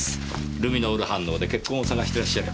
ルミノール反応で血痕を探してらっしゃる。